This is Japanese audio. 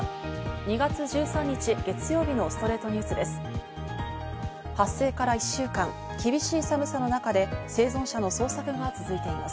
２月１３日、月曜日の『ストレイトニュース』です。